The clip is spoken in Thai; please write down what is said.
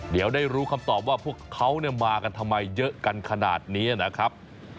เดี๋ยวได้รู้คำตอบว่าพวกเขามากันทำไมเยอะกันขนาดนี้นะครับ